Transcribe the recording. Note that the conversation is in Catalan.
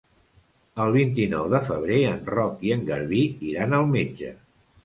El vint-i-nou de febrer en Roc i en Garbí iran al metge.